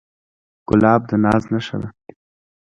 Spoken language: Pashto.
ګلاب د ناز نخښه ده.